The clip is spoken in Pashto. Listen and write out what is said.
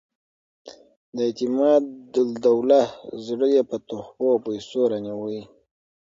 د اعتمادالدولة زړه یې په تحفو او پیسو رانیوی.